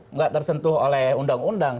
nggak tersentuh oleh undang undang